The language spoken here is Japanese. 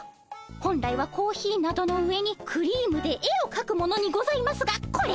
本来はコーヒーなどの上にクリームで絵をかくものにございますがこれは斬新。